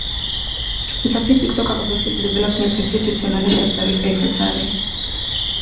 Utafiti kutoka Overseas Development Institute unaonesha taarifa ifuatayo